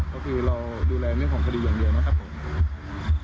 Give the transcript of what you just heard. ก็คือเราดูแลเรื่องของคดีอย่างเดียวนะครับผม